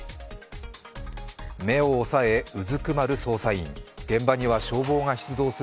目を押さえうずくまる